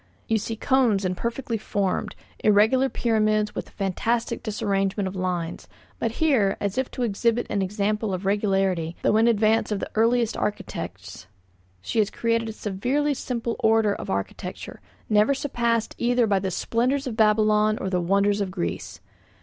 You see cones imperfectly formed, irregular pyramids, with a fantastic disarrangement of lines; but here, as if to exhibit an example of regularity, though in advance of the very earliest architects, she has created a severely simple order of architecture, never surpassed either by the splendours of Babylon or the wonders of Greece.